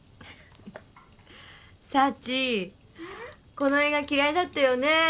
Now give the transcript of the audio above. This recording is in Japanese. この映画嫌いだったよね。